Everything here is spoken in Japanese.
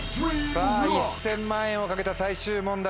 さぁ１０００万円を懸けた最終問題